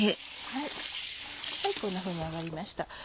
はいこんなふうに上がりました。